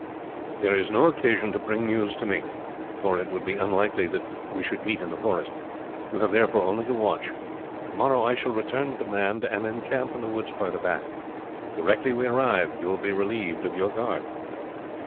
There is no occasion to bring news to me, for it would be unlikely that we should meet in the forest; you have therefore only to watch. Tomorrow I shall return with the band, and encamp in the woods farther back. Directly we arrive, you will be relieved of your guard."